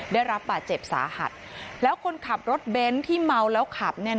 ได้รับบาดเจ็บสาหัสแล้วคนขับรถเบนท์ที่เมาแล้วขับ